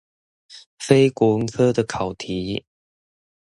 非國文科的考題